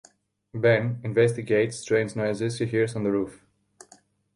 Ben investigates strange noises he hears on the roof.